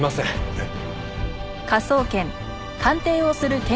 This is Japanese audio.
えっ？